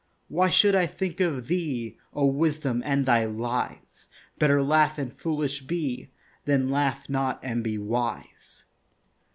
Why should I think of thee, O Wisdom, and thy lies? Better laugh and foolish be Than laugh not and be wise.